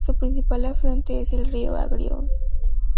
Su principal afluente es el río Agrio.